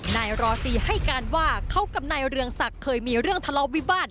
นายรอตีให้การว่าเขากับนายเรืองศักดิ์เคยมีเรื่องทะเลาะวิวาส